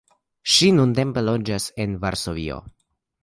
Ŝi nuntempe loĝas en Varsovio.